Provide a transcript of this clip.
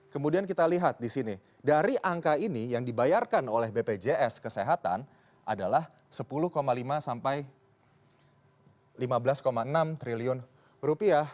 kemudian kita lihat di sini dari angka ini yang dibayarkan oleh bpjs kesehatan adalah sepuluh lima sampai lima belas enam triliun rupiah